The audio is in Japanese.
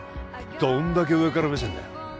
どんだけ上から目線だよ